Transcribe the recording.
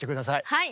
はい！